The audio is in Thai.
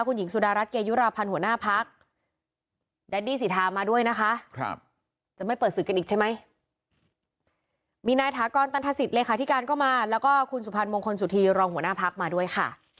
คุณหญิงสุดารัฐเกยุราพันธ์หัวหน้าพัก